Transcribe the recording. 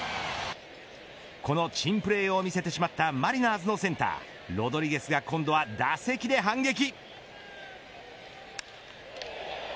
この珍プレーを見せてしまったマリナーズのセンターロドリゲスが今度は打席で反撃。